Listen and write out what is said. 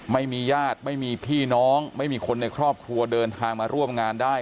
ไม่มีญาติไม่มีพี่น้องไม่มีคนในครอบครัวเดินทางมาร่วมงานได้